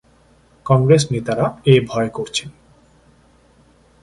কংগ্রেস নেতারা এ ভয় করছেন।